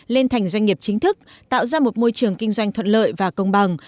lên thành doanh nghiệp chính thức tạo ra một môi trường kinh doanh thuận lợi và công bằng